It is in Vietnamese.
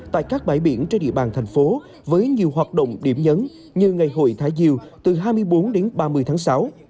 tại các bãi biển trên địa bàn thành phố với nhiều hoạt động điểm nhấn như ngày hội thả diều từ hai mươi bốn đến ba mươi tháng sáu